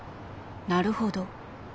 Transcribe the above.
なるほど。